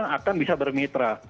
yang akan bisa bermitra